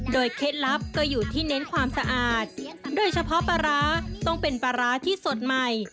เคล็ดลับก็อยู่ที่เน้นความสะอาดโดยเฉพาะปลาร้าต้องเป็นปลาร้าที่สดใหม่